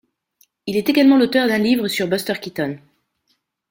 Il est également l'auteur d'un livre sur Buster Keaton.